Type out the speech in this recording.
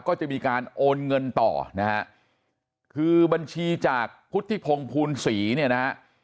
ก็จะมีการโอนเงินต่อนะฮะคือบัญชีจากพุทธิพงศ์ภูลศรีเนี่ยนะฮะ